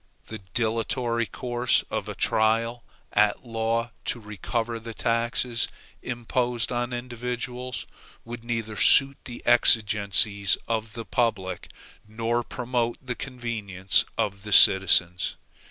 The dilatory course of a trial at law to recover the taxes imposed on individuals, would neither suit the exigencies of the public nor promote the convenience of the citizens.